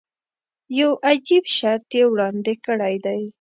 یو عجیب شرط یې وړاندې کړی دی.